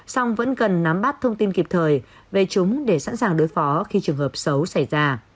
song vẫn cần nắm bắt thông tin kịp thời về chúng để sẵn sàng đối phó khi trường hợp xấu xảy ra